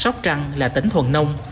sóc trăng là tỉnh thuần nông